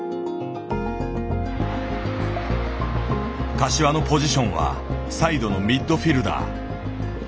柏のポジションはサイドのミッドフィルダー。